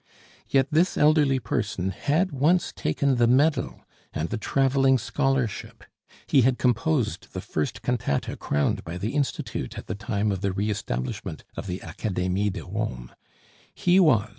Yet this elderly person had once taken the medal and the traveling scholarship; he had composed the first cantata crowned by the Institut at the time of the re establishment of the Academie de Rome; he was M.